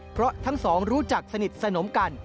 เพราะทั้งสองรู้จักสนิทสนมกัน